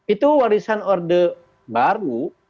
itu warisan orde baru